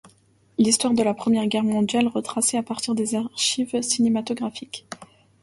L'histoire de la Première Guerre mondiale retracée à partir des archives cinématographiques.